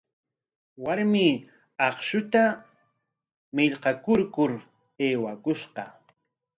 Warmi akshuta millqakurkur aywakushqa.